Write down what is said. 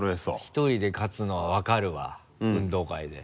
ひとりで勝つのは分かるわ運動会で。